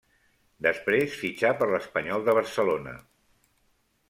Després fitxà per l'Espanyol de Barcelona.